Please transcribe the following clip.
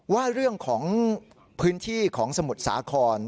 ว่าเรื่องของพื้นที่ของสมุทรสาคร